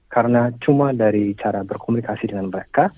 karena cuma dari cara berkomunikasi dengan mereka